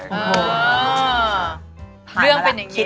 เรื่องเป็นอย่างเงี้ย